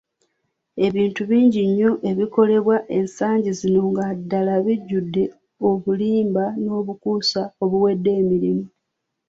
Ebintu bingi nnyo ebikolebwa ensangi zino nga ddala bijjudde obulimba n'obukuusa obuwedde emirimu.